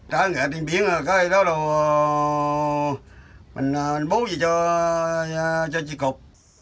trả người tiền biển rồi cái đó là mình bố gì cho chị cục